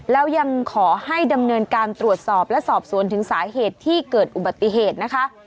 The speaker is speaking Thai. แล้วยังขอให้ดำเนินการตรวจสอบและสอบสวนถึงสาเหตุที่เกิดอุบัติเหตุนะคะ